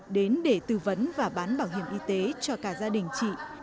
đến để tư vấn và bán bảo hiểm y tế cho cả gia đình chị